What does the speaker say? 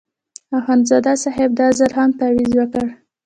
اخندزاده صاحب دا ځل هم تاویز ورکړ.